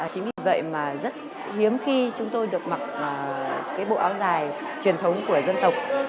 chính vì vậy mà rất hiếm khi chúng tôi được mặc cái bộ áo dài truyền thống của dân tộc